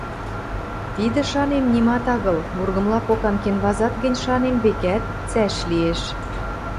Тидӹ, шанем, нимат агыл: вургымла покан кенвазат гӹнь, шанем, векӓт, цӓш лиэш...